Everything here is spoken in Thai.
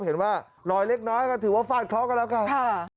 เห็นว่าลอยเล็กน้อยก็ถือว่าฟาดเคราะห์กันแล้วกัน